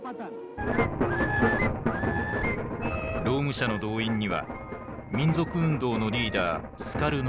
労務者の動員には民族運動のリーダースカルノを利用した。